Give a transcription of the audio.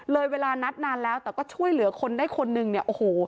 เวลานัดนานแล้วแต่ก็ช่วยเหลือคนได้คนนึงเนี่ยโอ้โห